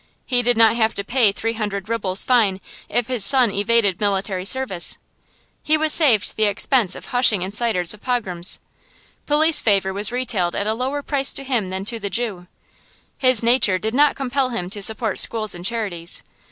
He did not have to pay three hundred rubles fine if his son evaded military service. He was saved the expense of hushing inciters of pogroms. Police favor was retailed at a lower price to him than to the Jew. His nature did not compel him to support schools and charities.